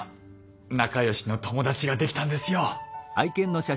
仲良しの友達ができたんですよ。